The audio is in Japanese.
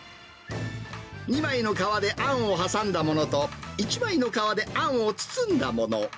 ２枚の皮であんを挟んだものと、１枚の皮であんを包んだもの。